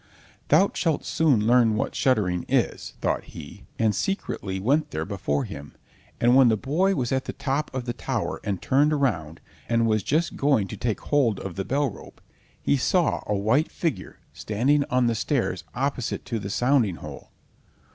"Thou shalt soon learn what shuddering is," thought he, and secretly went there before him; and when the boy was at the top of the tower and turned around, and was just going to take hold of the bell rope, he saw a white figure standing on the stairs opposite to the sounding hole.